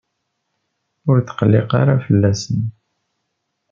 Ur tqelliq ara fell-asen.